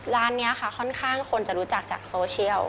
ร้านนี้ค่ะค่อนข้างคนจะรู้จักจากโซเชียล